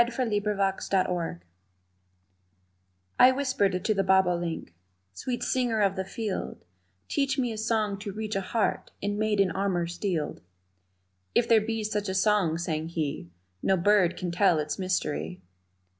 I Whispered to the Bobolink I WHISPERED to the bobolink: "Sweet singer of the field, Teach me a song to reach a heart In maiden armor steeled." "If there be such a song," sang he, "No bird can tell its mystery."